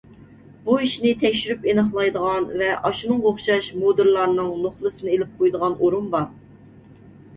بۇ ئىشنى تەكشۈرۈپ ئېنىقلايدىغان ۋە ئاشۇنىڭغا ئوخشاش مۇدىرلارنىڭ نوخلىسىنى ئېلىپ قويىدىغان ئورۇن بار.